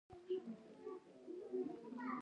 ډوډۍ نه مخکې لاسونه ووينځئ ـ